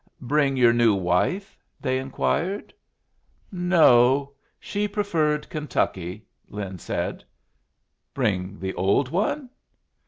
"Bring your new wife?" they inquired. "No; she preferred Kentucky," Lin said. "Bring the old one?"